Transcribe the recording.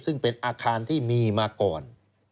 ซึ่งเป็นอาคารที่มีมาก่อน